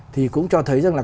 thì cũng cho thấy rằng là